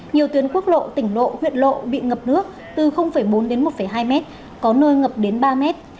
nhiều tuyến quốc lộ tỉnh lộ huyện lộ bị ngập nước từ bốn đến một hai mét có nơi ngập đến ba mét